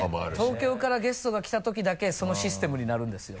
東京からゲストが来たときだけそのシステムになるんですよ。